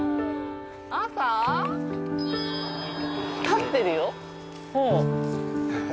立ってるよ。